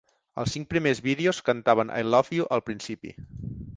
Als cinc primers vídeos, cantaven "I Love You" al principi.